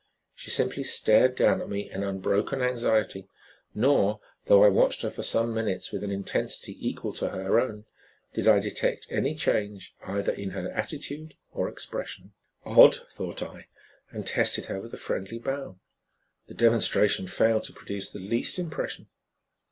She simply stared down at me in unbroken anxiety, nor, though I watched her for some minutes with an intensity equal to her own, did I detect any change either in her attitude or expression. "Odd," thought I, and tested her with a friendly bow. The demonstration failed to produce the least impression.